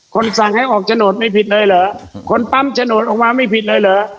สั่งให้ออกโฉนดไม่ผิดเลยเหรอคนปั๊มโฉนดออกมาไม่ผิดเลยเหรอ